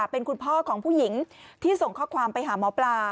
เป็นคุณพ่อของผู้หญิงที่ส่งข้อความไปหาหมอปลา